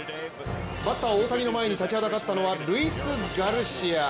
バッター・大谷の前に立ちはだかったのはルイス・ガルシア。